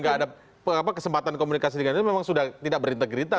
nggak ada kesempatan komunikasi dengan itu memang sudah tidak berintegritas